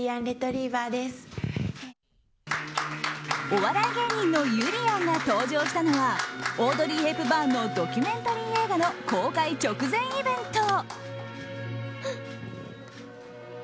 お笑い芸人のゆりやんが登場したのはオードリー・ヘプバーンのドキュメンタリー映画の公開直前イベント。